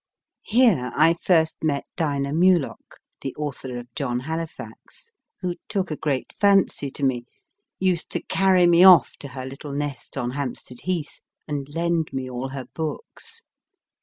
Here I first met Dinah Muloch, the author of John Halifax/ who took a great fancy to me, used to carry me off to her little nest on Hampstead Heath, and lend me all her books.